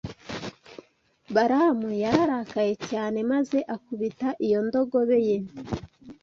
Balamu yararakaye cyane maze akubita iyo ndogobe ye